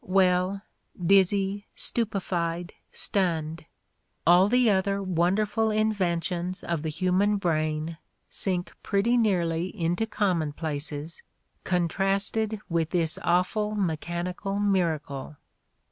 "Well — dizzy, stupefied, stunned. ... All the other wonderful inventions of the human brain sink pretty nearly into commonplaces contrasted with this awful mechanical miracle.